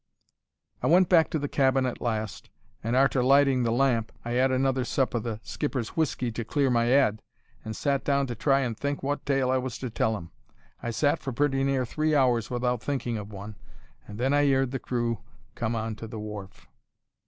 "I went back to the cabin at last, and arter lighting the lamp I 'ad another sup o' the skipper's whisky to clear my 'ead, and sat down to try and think wot tale I was to tell 'im. I sat for pretty near three hours without thinking of one, and then I 'eard the crew come on to the wharf.